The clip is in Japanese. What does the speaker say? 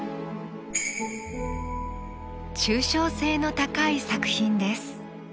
抽象性の高い作品です。